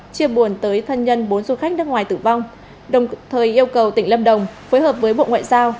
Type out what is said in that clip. chia buồn tới thân nhân bốn du khách nước ngoài tử vong đồng thời yêu cầu tỉnh lâm đồng phối hợp với bộ ngoại giao